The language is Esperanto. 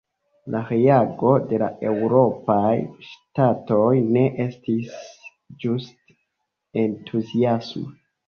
La reago de la eŭropaj ŝtatoj ne estis ĝuste entuziasma.